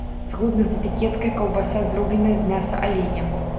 Згодна з этыкеткай, каўбаса зробленая з мяса аленя.